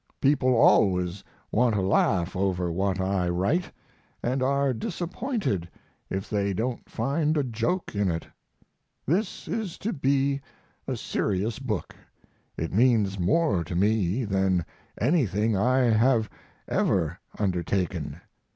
People always want to laugh over what I write and are disappointed if they don't find a joke in it. This is to be a serious book. It means more to me than anything I have ever undertaken.